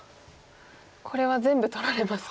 これは全部取られますか。